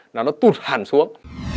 nó nó tụt hẳn xuống